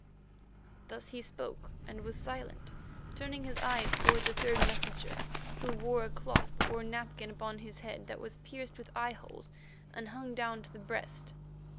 Thus he spoke and was silent, turning his eyes toward the third messenger, he who wore a cloth or napkin upon his head that was pierced with eyeholes and hung down to the breast.